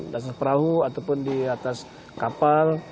di atas perahu ataupun di atas kapal